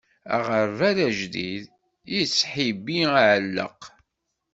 Aɣerbal ajdid, yettḥibbi aɛellaq.